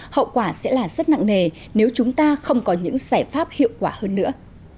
hậu quả sẽ là rất nặng nề nếu chúng ta không có những giải pháp hiệu quả hơn nữa